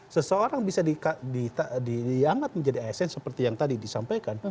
seseorang bisa dianggap menjadi asn seperti yang tadi disampaikan